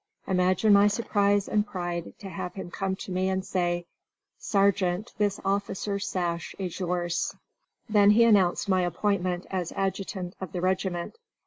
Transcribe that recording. Imagine my surprise and pride to have him come to me and say: "Sergeant, this officer's sash is yours." Then he announced my appointment as adjutant of the regiment.